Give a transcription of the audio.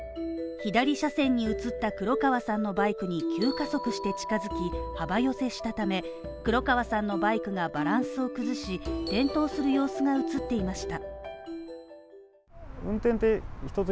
左車線に移った黒川さんのバイクに幅寄せしたため、黒川さんのバイクがバランスを崩し転倒する様子が映っていました。